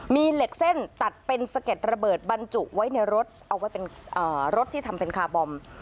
มีเหล็กเส้นตัดเป็นสะเก็ดระเบิดบรรจุไว้ในรถเอาไว้เป็นรถที่ทำเป็นคาร์บอม